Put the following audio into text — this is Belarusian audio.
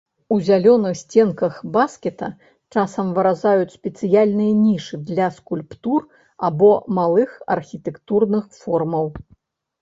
У зялёных сценках баскета часам выразаюць спецыяльныя нішы для скульптур або малых архітэктурных формаў.